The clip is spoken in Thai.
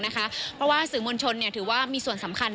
เพราะว่าสื่อมวลชนถือว่ามีส่วนสำคัญ